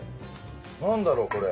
何だろう？